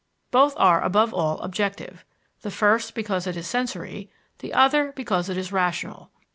Both are above all objective the first, because it is sensory; the other, because it is rational.